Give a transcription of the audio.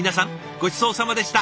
ごちそうさまでした。